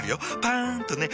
パン！とね。